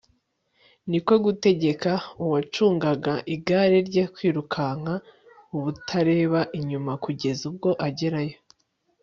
ni ko gutegeka uwacungaga igare rye kwirukanka ubutareba inyuma kugeza ubwo agerayo